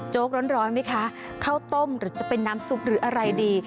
ร้อนไหมคะข้าวต้มหรือจะเป็นน้ำซุปหรืออะไรดี